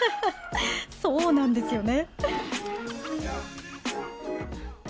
そうなんですよね。